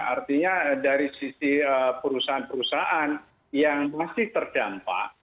artinya dari sisi perusahaan perusahaan yang masih terdampak